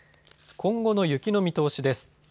今後の雪の見通しです。